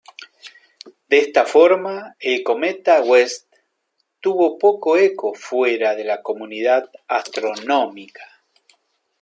De esta forma, el cometa West tuvo poco eco fuera de la comunidad astronómica.